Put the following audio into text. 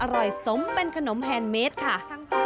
อร่อยสมเป็นขนมแฮนด์เมตต์ค่ะ